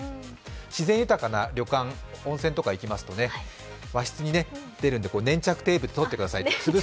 自然豊かな旅館、温泉とか行きますと和室に出るので粘着テープでとっ